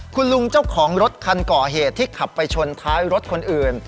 คุณลุงเจ้าของรถคันก่อเหตุที่ขับไปชนท้ายรถคนอื่น